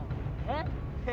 oh iya betul